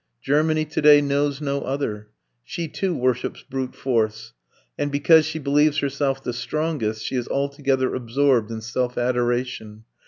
Germany to day knows no other. She, too, worships brute force. And because she believes herself the strongest, she is altogether absorbed in self adoration.